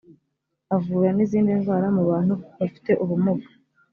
avura n’izindi ndwara mu bantu bafite ubumuga